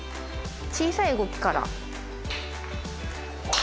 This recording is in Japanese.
小さい動きから。